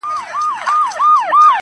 زور يې نه وو برابر له وزيرانو.!